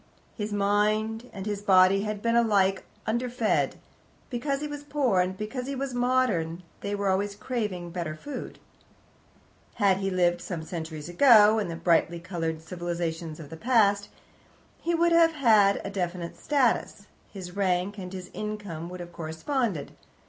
His mind and his body had been alike underfed, because he was poor, and because he was modern they were always craving better food. Had he lived some centuries ago, in the brightly coloured civilizations of the past, he would have had a definite status, his rank and his income would have corresponded.